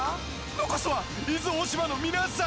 残すは伊豆大島の皆さん